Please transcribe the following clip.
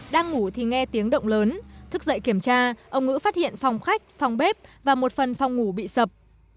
đang ngủ thì nghe tiếng động lớn thức dậy kiểm tra ông ngữ phát hiện phòng khách phòng bếp và một phần phòng ngủ bị sập